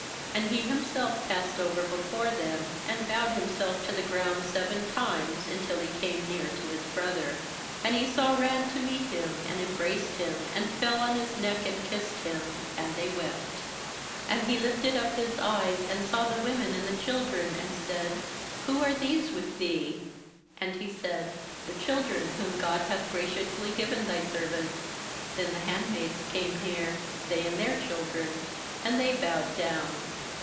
3And he himself passed over before them, and bowed himself to the ground seven times, until he came near to his brother. 4And Esau ran to meet him, and embraced him, and fell on his neck, and kissed him; and they wept. 5And he lifted up his eyes, and saw the women and the children; and said: 'Who are these with thee?' And he said: 'The children whom God hath graciously given thy servant.' 6Then the handmaids came near, they and their children, and they bowed down.